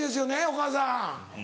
お母さん。